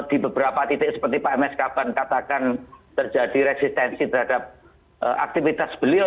di beberapa titik seperti pak ms kapan katakan terjadi resistensi terhadap aktivitas beliau